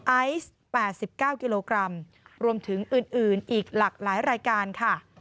ไอซ์แปดสิบเก้ากิโลกรัมรวมถึงอื่นอื่นอีกหลากหลายรายการค่ะ